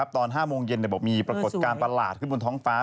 ตอน๕โมงเย็นบอกมีปรากฏการณ์ประหลาดขึ้นบนท้องฟ้า